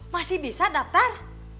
masih bisa daftar